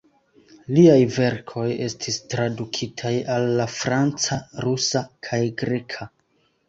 Liaj verkoj estis tradukitaj al la franca, rusa kaj greka.